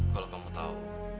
kalau kamu tau